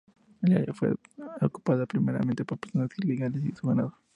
El área fue ocupada primeramente, por personas ilegales y su ganado.